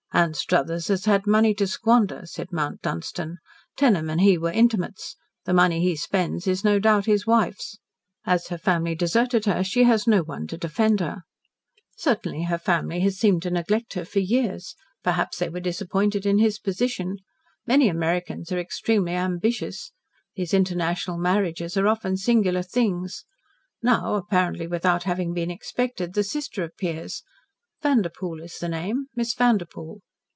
"Anstruthers has had money to squander," said Mount Dunstan. "Tenham and he were intimates. The money he spends is no doubt his wife's. As her family deserted her she has no one to defend her." "Certainly her family has seemed to neglect her for years. Perhaps they were disappointed in his position. Many Americans are extremely ambitious. These international marriages are often singular things. Now apparently without having been expected the sister appears. Vanderpoel is the name Miss Vanderpoel."